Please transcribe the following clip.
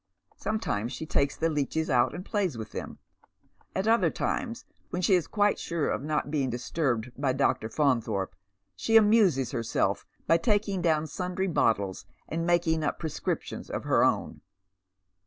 Sometimes she takes the leeches out and plays with them. At other times, when she is quite sure of not being disturbed by Dr. Faunthorpe, she amuses her self by taking down sundry bottles and making up prescriptiona of her owa.